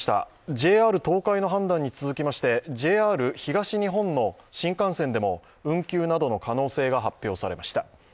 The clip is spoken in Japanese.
ＪＲ東海の判断に続きましてＪＲ東日本の新幹線でも運休などの可能性が発表されました。